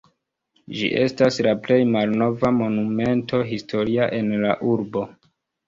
Ĝi estas la plej malnova Monumento historia en la urbo.